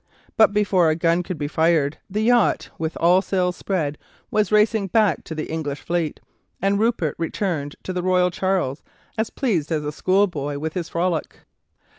But before a gun could be fired the yacht, with all sails spread, was racing back to the English fleet, and Rupert returned to the "Royal Charles" as pleased as a schoolboy with his frolic.